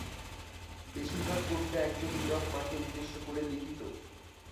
বেশিরভাগ কবিতা একজন নীরব মাকে উদ্দেশ্য করে লিখিত।